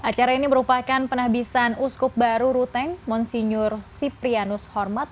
acara ini merupakan penabisan uskup baru ruteng monsinyur siprianus hormat